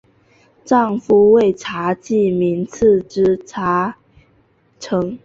丈夫为查济民次子查懋成。